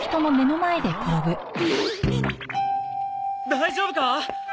大丈夫か！？